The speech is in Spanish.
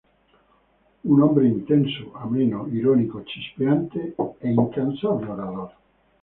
Un hombre intenso, ameno, irónico, chispeante e incansable orador.